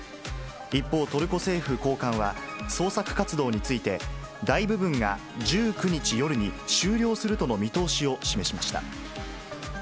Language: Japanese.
一方、トルコ政府高官は、捜索活動について、大部分が１９日夜に終了するとの見通しを示しました。